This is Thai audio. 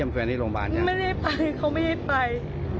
ตอนเช้าน้องจะพาไป